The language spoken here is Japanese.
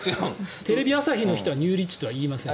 テレビ朝日の人はニューリッチとは言いません。